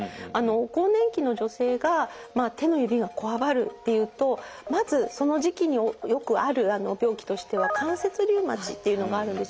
更年期の女性が手の指がこわばるっていうとまずその時期によくある病気としては関節リウマチっていうのがあるんですよね。